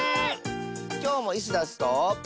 きょうもイスダスと。